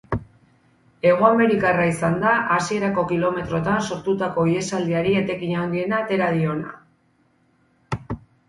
Hegoamerikarra izan da hasierako kilometroetan sortutako ihesaldiari etekin handiena atera diona.